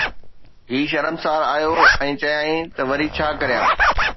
هي شرمسار آيو ۽ چيائين ته وري ڇا ڪريان؟